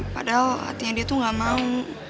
padahal hatinya dia tuh gak mau